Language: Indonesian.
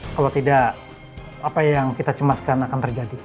kalau tidak apa yang kita cemaskan akan terjadi